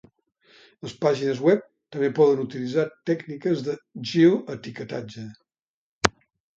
Les pàgines web també poden utilitzar tècniques de geoetiquetatge.